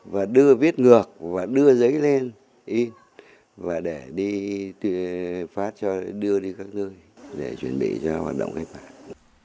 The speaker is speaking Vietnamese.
và đưa viết ngược và đưa giấy lên để phát cho đưa đi các người để chuẩn bị cho hoạt động cách mạng